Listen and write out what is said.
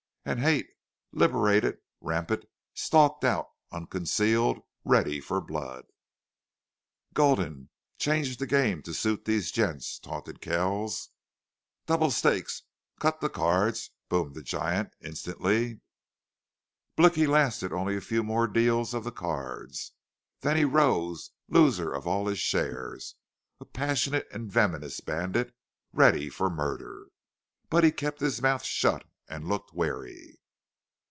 And hate, liberated, rampant, stalked out unconcealed, ready for blood. "Gulden, change the game to suit these gents," taunted Kells. "Double stakes. Cut the cards!" boomed the giant, instantly. Blicky lasted only a few more deals of the cards, then he rose, loser of all his share, a passionate and venomous bandit, ready for murder. But he kept his mouth shut and looked wary.